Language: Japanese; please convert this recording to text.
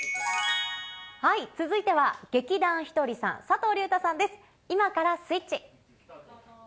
続いては、劇団ひとりさん、佐藤隆太さんです、今からスイッチ。